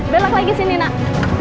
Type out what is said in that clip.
belak lagi sini nak